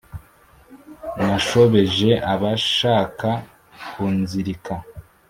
Nashobeje abashaka kunzirika